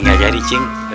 gak jadi cing